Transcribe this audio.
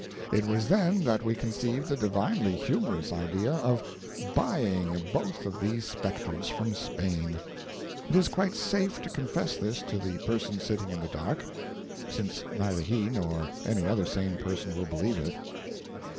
It was then that we conceived the divinely humorous idea of buying both of these spectres from Spain ! [It is quite safe to confess this to the Person Sitting in Darkness, since neither he nor any other sane person will believe it.